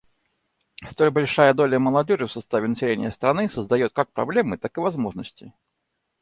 Столь большая доля молодежи в составе населения страны создает как проблемы, так и возможности.